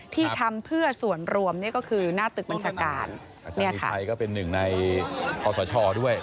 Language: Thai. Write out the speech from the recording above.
ที่ทำเพื่อส่วนรวมนี่ก็คือหน้าตึกบรรชการนี่ค่ะอาจารย์มีชัยก็เป็นหนึ่งในอสชด้วย